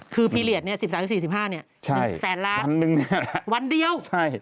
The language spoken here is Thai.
คือปีเหรียด๑๓๑๕นี่๑๐๐๐๐๐ล้านวันเดียว